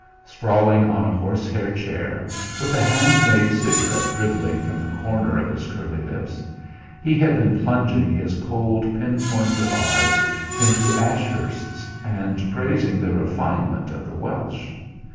Sprawling on a horse hair chair, with a hand made cigarette dribbling from the corner of his curly lips, he had been plunging his cold pin points of eyes into Ashurst's and praising the refinement of the Welsh.